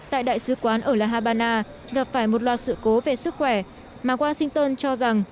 tại đại sứ quán ở la habana gặp phải một loạt sự cố về sức khỏe mà washington cho rằng